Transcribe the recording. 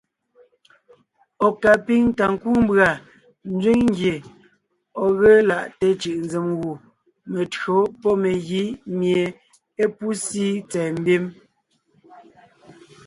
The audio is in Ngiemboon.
Ɔ̀ ka píŋ ta kúu mbʉ̀a nzẅíŋ ngye ɔ̀ ge laʼte cʉ̀ʼnzèm gù metÿǒ pɔ́ megǐ mie é pú síi tsɛ̀ɛ mbim.s.